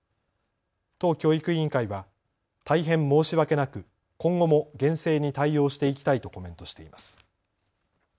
都教育委員会は大変申し訳なく今後も厳正に対応していきたいとコメントしています。